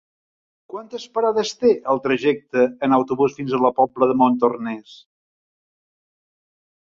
Quantes parades té el trajecte en autobús fins a la Pobla de Montornès?